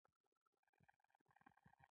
ډیر زیات غوړ خواړه روغتیا ته زیان لري.